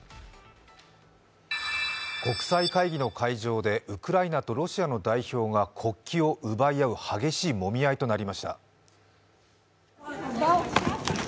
国際会議の会場でウクライナとロシアの代表が国旗を奪い合う激しいもみ合いとなりました。